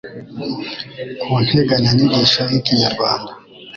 ku nteganya nyigisho y'Ikinyarwanda